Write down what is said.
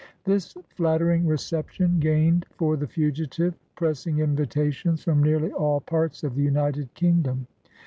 This flattering reception gained for the fugitive pressing invitations from nearly all parts of the United Kingdom.